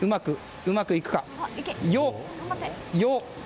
うまくいくか。